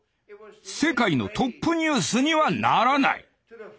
世界のトップニュースにはならない。